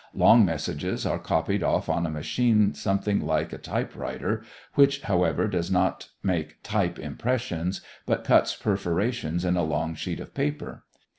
Long messages are copied off on a machine something like a type writer, which, however, does not make type impressions, but cuts perforations in a long sheet of paper.